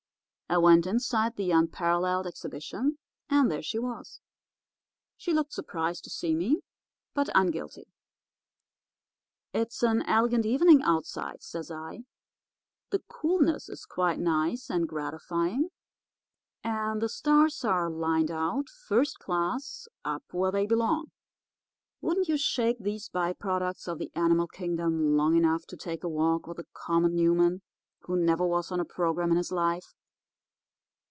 I went inside the Unparalleled Exhibition, and there she was. She looked surprised to see me, but unguilty. "'It's an elegant evening outside,' says I. 'The coolness is quite nice and gratifying, and the stars are lined out, first class, up where they belong. Wouldn't you shake these by products of the animal kingdom long enough to take a walk with a common human who never was on a programme in his life?